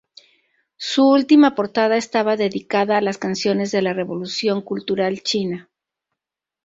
Su última portada estaba dedicada a las canciones de la Revolución Cultural china.